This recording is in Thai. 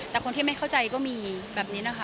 แต่คนที่ไม่เข้าใจก็มีแบบนี้นะคะ